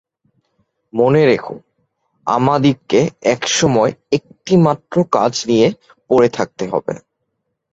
মনে রেখো, আমাদিগকে এক সময় একটিমাত্র কাজ নিয়ে পড়ে থাকতে হবে।